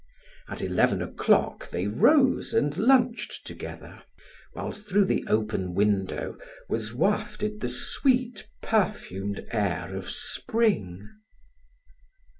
At eleven o'clock they rose and lunched together; while through the open window was wafted the sweet, perfumed air of spring.